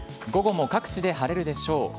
午後も各地で晴れるでしょう。